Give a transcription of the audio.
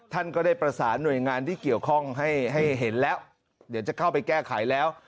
ท่านก็ได้ประสานหน่วยงานที่เกี่ยวข้องให้ให้เห็นแล้วเดี๋ยวจะเข้าไปแก้ไขแล้ว